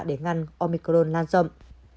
để ngăn omicron lan rộng